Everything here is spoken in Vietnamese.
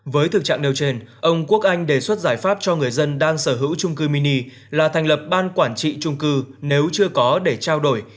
với thực trạng nêu trên ông quốc anh đề xuất giải pháp cho người dân đang sở hữu trung cư mini là thành lập ban quản trị trung cư nếu chưa có để trao đổi